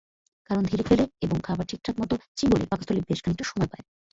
কারণ, ধীরে খেলে এবং খাবার ঠিকঠাকমতো চিবোলে পাকস্থলী বেশ খানিকটা সময় পায়।